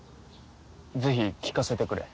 ぜひ聞かせてくれ。